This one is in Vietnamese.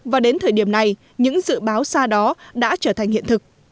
và đến thời điểm này những dự báo xa đó đã trở thành hiện thực